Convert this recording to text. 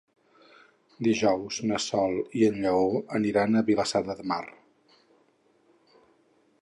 Dijous na Sol i en Lleó aniran a Vilassar de Mar.